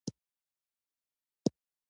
راډیوګاني دي معیاري پښتو خپروي.